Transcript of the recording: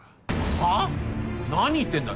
はぁ⁉何言ってんだ？